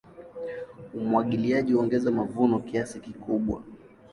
Umwagiliaji huongeza mavuno kiasi kikubwa.